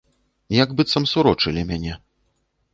Як быццам сурочылі мяне.